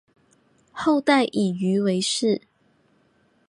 后代以鱼为氏。